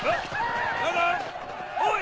おい！